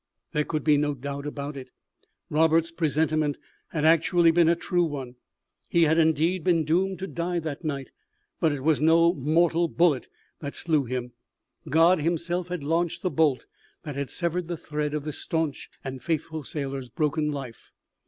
There could be no doubt about it. Roberts's presentiment had actually been a true one; he had indeed been doomed to die that night. But it was no mortal bullet that slew him; God Himself had launched the bolt that had severed the thread of this staunch and faithful sailor's broken life.